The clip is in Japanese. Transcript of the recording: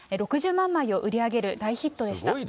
６０万枚を売り上げる大ヒットでした。